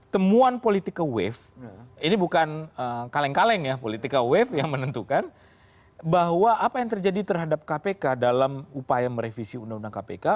temuan politika wave ini bukan kaleng kaleng ya politika wave yang menentukan bahwa apa yang terjadi terhadap kpk dalam upaya merevisi undang undang kpk